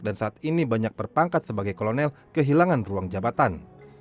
dan saat ini banyak berpangkat sebagai kolonel kehilangan ruang jabatan